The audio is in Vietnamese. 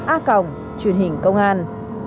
a cồng truyện hình công an